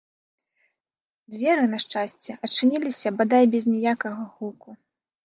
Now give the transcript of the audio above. Дзверы, на шчасце, адчыніліся бадай без ніякага гуку.